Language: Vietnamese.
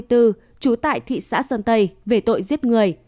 trú tại thị xã sơn tây về tội giết người